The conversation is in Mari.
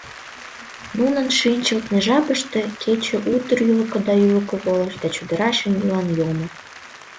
Нунын шинчылтме жапыште кече утыр ӱлыкӧ да ӱлыкӧ волыш да чодыра шеҥгелан йомо.